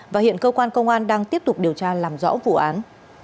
và hiện cơ quan công an đang tiếp tục điều tra làm rõ vụ án